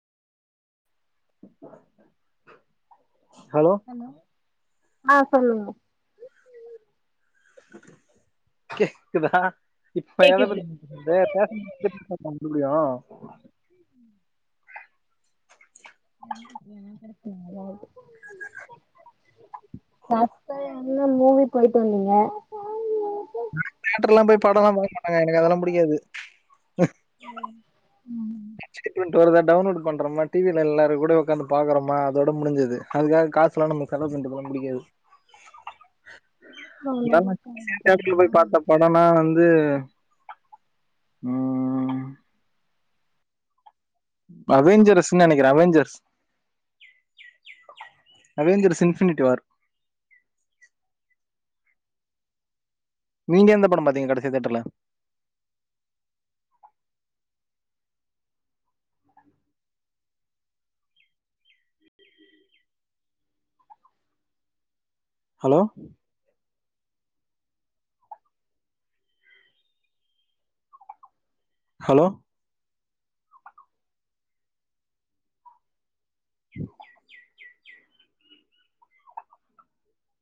hello hello ஆ சொல்லுங்க கேக்குதா இப்ப எத கேக்குது பத் இந்த பே [inaudible] [inaudible] லாஸ்ட்டா என்னமோ மூவி போயிட்டு வந்தீங்க தேட்டர்லா போய் படலா பாக்க மாட்டாங்க எனக் அதெல்லா புடிக்காது ம் [unintelligible] டவுன்லோட் பண்றமா டிவில எல்லாரு கூடயு வொக்கந்து பாக்கறோமா அதோட முடிஞ்சது அதுக்கா காசெல்லா நம்ப செலவு பண்றதெல்லா புடிக்காது அப்புறோ வந்தா இதலா கூட போக மேட்டர்ல போய் மாட்டீங்களா பாத்தா ப நானா வந்து ம் அவேஞ்செரஸ்ன்னு நெனைக்கிறே அவேஞ்செர்ஸ் அவேஞ்செரஸ் இன்ஃபினிட்டி வார் நீங்க எந்த படம் பாத்தீங்க கடைசியா தேட்டர்ல ஹலோ ஹலோ